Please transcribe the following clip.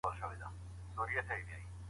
د ماشومانو زده کړه څنګه پيلېده؟